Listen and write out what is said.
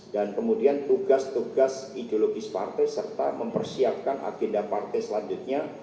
kemudian tugas tugas ideologis partai serta mempersiapkan agenda partai selanjutnya